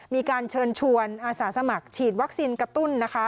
มีการเชิญชวนอาสาสมัครฉีดวัคซีนกระตุ้นนะคะ